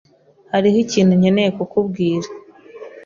Hariho ikintu nkeneye kukubwira.